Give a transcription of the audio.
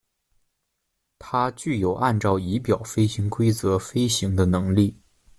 它具有按照仪表飞行规则飞行的能力。